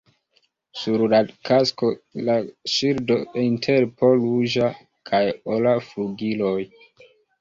Sur la kasko la ŝildo inter po ruĝa kaj ora flugiloj.